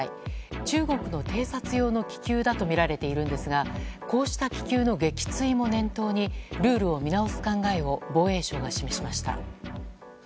中国の偵察用の気球だと見られているんですがこうした気球の撃墜も念頭にルールを見直す考えを防衛省が示しました。